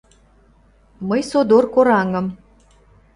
Мый содор кораҥым.